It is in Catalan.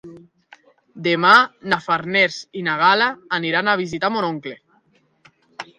Demà na Farners i na Gal·la aniran a visitar mon oncle.